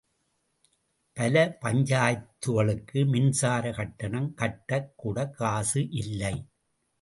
பல பஞ்சாயத்துகளுக்கு மின்சாரக் கட்டணம் கட்டக் கூடக் காசு இல்லை.